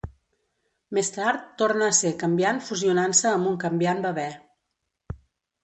Més tard, torna a ser canviant fusionant-se amb un canviant bebè.